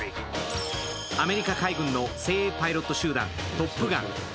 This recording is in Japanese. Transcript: アメリカ海軍の精鋭パイロット集団、トップガン。